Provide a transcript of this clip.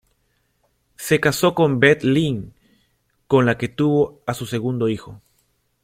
Se casó con Beth Lynn, con la que tuvo a su segundo hijo.